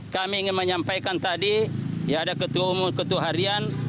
kami ingin menyampaikan tadi ya ada ketua umum ketua harian